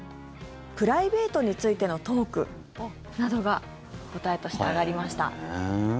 プライベートについてのトークなどが答えとして挙がりました。